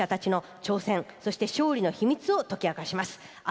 ホンダの技術者たちの挑戦、そして、勝利の秘密を解き明かします。